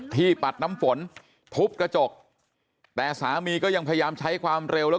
ปัดน้ำฝนทุบกระจกแต่สามีก็ยังพยายามใช้ความเร็วแล้ว